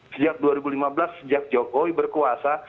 sejak dua ribu lima belas sejak jokowi berkuasa